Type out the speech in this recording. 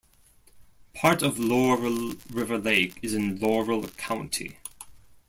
Part of Laurel River Lake is in Laurel County.